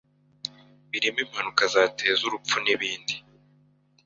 birimo impanuka zateza urupfu n’ibindi.